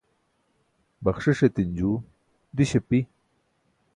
baxṣiṣ etin juu diś api